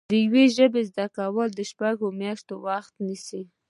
د یوې ژبې زده کول شپږ میاشتې وخت نیسي